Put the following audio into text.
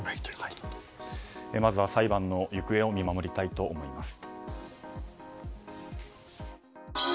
まずは裁判の行方を見守りたいと思います。